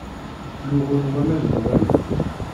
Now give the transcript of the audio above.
Luɣen waman n wannu.